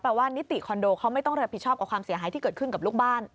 ว่านิติคอนโดเขาไม่ต้องรับผิดชอบกับความเสียหายที่เกิดขึ้นกับลูกบ้าน